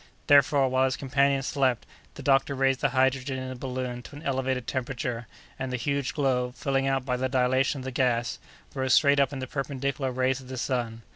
Therefore, while his companions slept, the doctor raised the hydrogen in the balloon to an elevated temperature, and the huge globe, filling out by the dilation of the gas, rose straight up in the perpendicular rays of the sun.